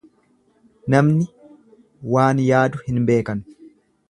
Namni waan yaadu hin beekan.